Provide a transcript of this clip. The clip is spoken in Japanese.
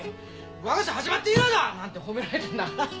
我が社始まって以来だ！」なんて褒められたんだ。